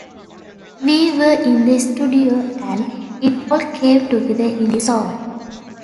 We were in the studio and it all came together in this song.